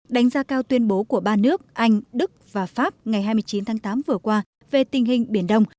đánh giá cao tuyên bố của ba nước anh đức và pháp ngày hai mươi chín tháng tám vừa qua về tình hình biển đông